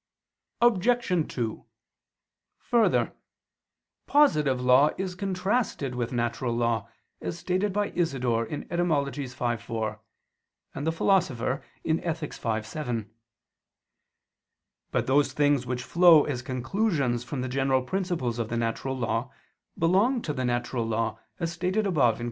Obj. 2: Further, positive law is contrasted with natural law, as stated by Isidore (Etym. v, 4) and the Philosopher (Ethic. v, 7). But those things which flow as conclusions from the general principles of the natural law belong to the natural law, as stated above (Q.